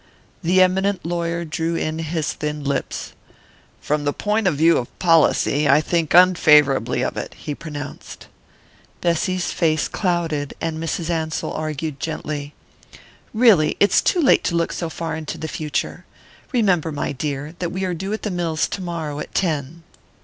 The eminent lawyer drew in his thin lips. "From the point of view of policy, I think unfavourably of it," he pronounced. Bessy's face clouded, and Mrs. Ansell argued gently: "Really, it's too late to look so far into the future. Remember, my dear, that we are due at the mills tomorrow at ten."